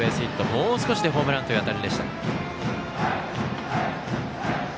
もう少しでホームランという当たりでした。